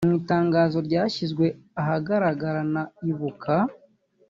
Mu itangazo ryashyizwe ahagaragara na Ibuka